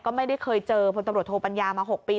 ก็ไม่ได้เคยเจอพลตำรวจโทปัญญามา๖ปี